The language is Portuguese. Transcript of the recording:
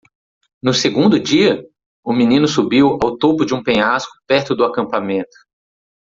No segundo dia?, o menino subiu ao topo de um penhasco perto do acampamento.